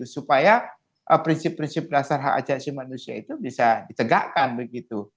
supaya prinsip prinsip dasar hak ajasi manusia itu bisa ditegakkan begitu